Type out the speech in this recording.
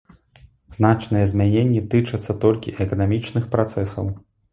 Значныя змяненні тычацца толькі эканамічных працэсаў.